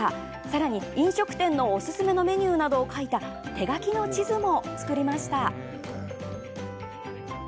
さらに、飲食店のおすすめメニューなどを書いた手書きの地図も作りました。